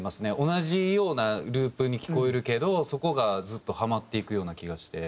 同じようなループに聞こえるけどそこがずっとハマっていくような気がして。